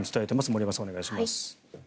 森山さん、お願いします。